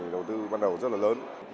đầu tư bắt đầu rất là lớn